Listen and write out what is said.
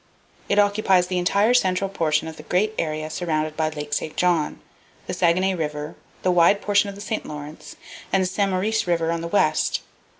It occupies the entire central portion of the great area surrounded by Lake St. John, the Saguenay River, the wide portion of the St. Lawrence, and the St. Maurice River on the west.